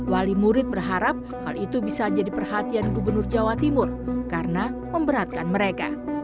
wali murid berharap hal itu bisa jadi perhatian gubernur jawa timur karena memberatkan mereka